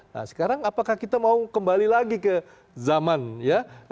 nah sekarang apakah kita mau kembali lagi ke zaman ya